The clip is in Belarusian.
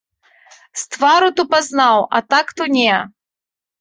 З твару то пазнаў, а так то не.